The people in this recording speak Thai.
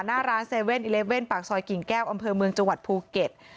หน้าร้าน๗๑๑ปากซอยกิ่งแก้วอำเภอเมืองจังหวัดภูเก็ต